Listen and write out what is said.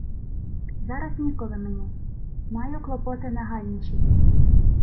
— Зараз ніколи мені... Маю клопоти нагальніші...